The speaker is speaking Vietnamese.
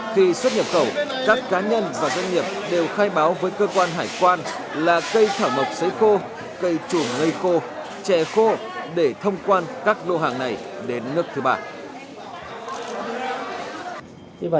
khi xuất nhập khẩu các cá nhân và doanh nghiệp đều khai báo với cơ quan hải quan là cây thảo mộc sấy khô cây chuồng ngây cô chè khô để thông quan các lô hàng này đến nước thứ ba